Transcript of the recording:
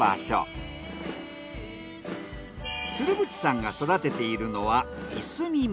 鶴渕さんが育てているのはいすみ米。